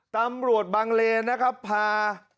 ตำรวจบางเลนนะครับพา